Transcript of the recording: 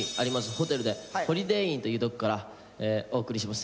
ホテルでホリデー・インというとこからお送りします。